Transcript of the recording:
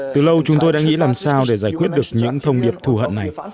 từ lâu chúng tôi đã nghĩ làm sao để giải quyết được những thông điệp thù hận này